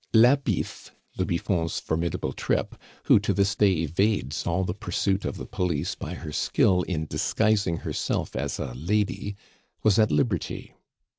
La Biffe, le Biffon's formidable trip, who to this day evades all the pursuit of the police by her skill in disguising herself as a lady, was at liberty.